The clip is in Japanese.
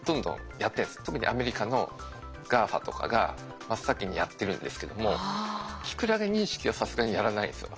特にアメリカのＧＡＦＡとかが真っ先にやってるんですけどもキクラゲ認識はさすがにやらないですよ。